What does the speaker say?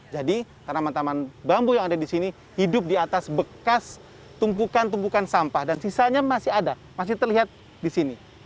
jadi tanaman taman bambu yang ada di sini hidup di atas bekas tumpukan tumpukan sampah dan sisanya masih ada masih terlihat di sini